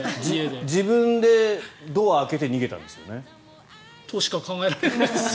自分でドアを開けて逃げたんですよね。としか考えられない。